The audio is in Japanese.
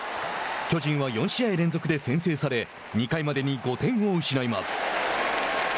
巨人は４試合連続で先制され２回までに５点を失います。